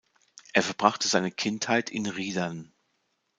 Er verbrachte seine Kindheit in Riedern.